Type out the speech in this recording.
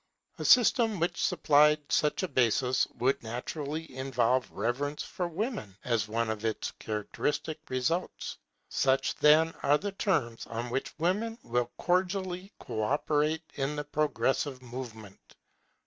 A system which supplied such a basis would naturally involve reverence for women as one of its characteristic results. Such, then, are the terms on which women will cordially co operate in the progressive movement.